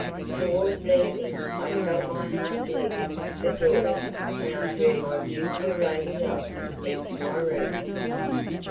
Towards evening I felt my heart leap for joy when I heard my beautiful lady love enter my room.